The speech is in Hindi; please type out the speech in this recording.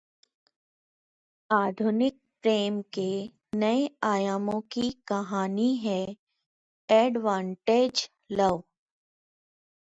आधुनिक प्रेम के नए आयामों की कहानी है 'एडवांटेज लव'